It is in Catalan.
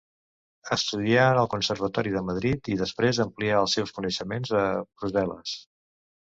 Estudià en el Conservatori de Madrid i després amplià els seus coneixements a Brussel·les.